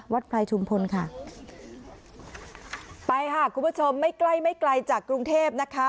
ไพรชุมพลค่ะไปค่ะคุณผู้ชมไม่ใกล้ไม่ไกลจากกรุงเทพนะคะ